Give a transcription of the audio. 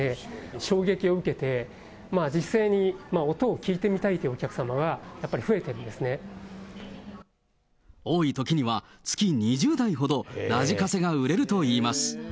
衝撃を受けて、実際に音を聴いてみたいというお客様がやっぱり増えているんです多いときには月２０台ほど、ラジカセが売れるといいます。